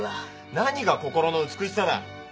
何が心の美しさだ！